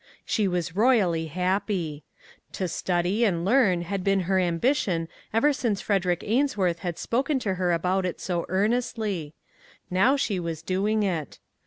She was royally happy. To study and learn had been her am bition ever since Frederick Ainsworth had spoken to her about it so earnestly ; now she was doing it.